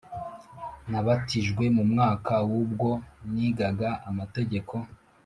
nabatijwe mu mwaka w ubwo nigaga amategeko